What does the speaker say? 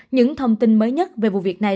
những thông tin mới nhất về vụ việc này